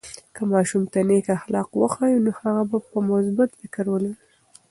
که ماشوم ته نیک اخلاق وښیو، نو هغه به مثبت فکر ولري.